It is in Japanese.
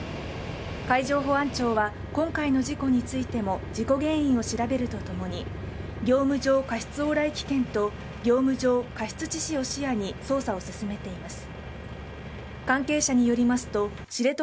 海上保安庁は今回の事故についても事故原因を調べるとともに、業務上過失往来危険と業務上過失致死を視野に捜査を進めています。